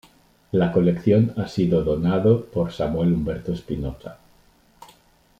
La colección ha sido donado por Samuel Humberto Espinoza.